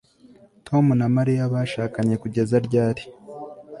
Tom na Mariya bashakanye kugeza ryari